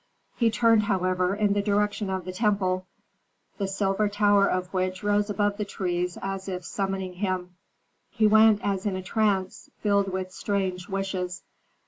He turned, however, in the direction of the temple, the silver tower of which rose above the trees as if summoning him. He went as in a trance, filled with strange wishes.